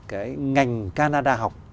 cái ngành canada học